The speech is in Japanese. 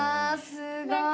すごい！